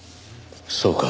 そうか。